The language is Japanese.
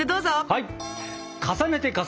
はい！